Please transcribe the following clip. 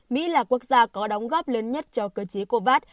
mỹ là quốc gia có đóng góp lớn nhất cho cơ chế covax